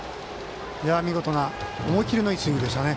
見事な、思い切りのいいスイングでしたね。